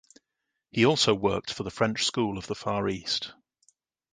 He also worked for the French School of the Far East.